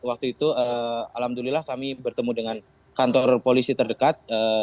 waktu itu alhamdulillah kami bertemu dengan kantor polisi terdekat